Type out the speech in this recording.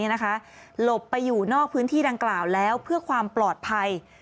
หลบไปอยู่นอกพื้นที่ดังกล่าวแล้วเพื่อความปลอดภัย